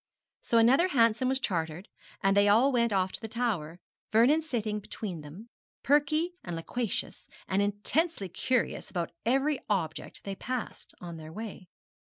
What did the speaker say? So another Hansom was chartered, and they all went off to the Tower, Vernon sitting between them, perky and loquacious, and intensely curious about every object they passed on their way.